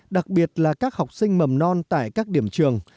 đặc biệt là các học sinh mầm non tại các điểm trường